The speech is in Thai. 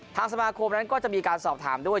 ทางสมาคมนั้นก็จะมีการสอบถามด้วย